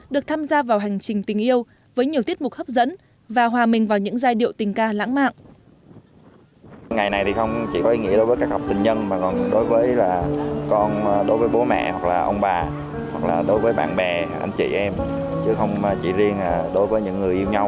được tham gia vào hành trình tình yêu với nhiều tiết mục hấp dẫn và hòa mình vào những giai điệu tình ca lãng mạng